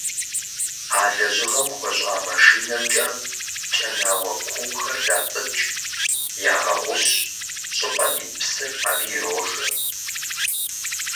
А лэжьыгъэм хуэщӀа машинэмкӀэ кӀэнауэ куухэр датӀыкӀ, ягъэгъущ щӀыпӀэм ит псыр абы ирожэ.